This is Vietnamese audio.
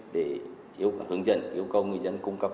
để yêu cầu hướng dẫn yêu cầu người dân cung cấp